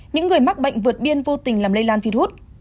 những người mắc bệnh vượt biên vô tình làm lây lan virus